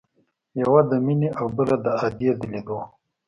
يوه د مينې او بله د ادې د ليدو.